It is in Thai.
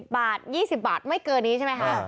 บาท๒๐บาทไม่เกินนี้ใช่ไหมคะ